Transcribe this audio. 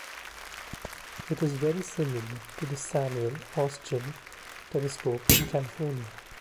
It is very similar to the Samuel Oschin telescope in California.